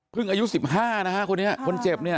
พึ่งอายุ๑๕นะครับคนเจ็บนี่